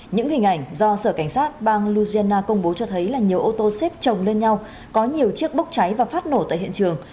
những hình ảnh do sở cảnh sát bang louisiana công bố cho thấy là nhiều ô tô xếp trồng lên nhau có nhiều chiếc bốc cháy và phát nổ tại hiện trường